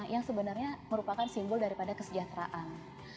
yang sebenarnya merupakan simbol daripada kesejahteraan